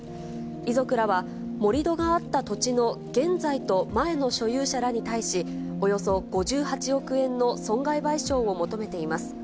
遺族らは、盛り土があった土地の現在と前の所有者らに対し、およそ５８億円の損害賠償を求めています。